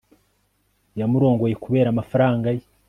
yamurongoye kubera amafaranga ye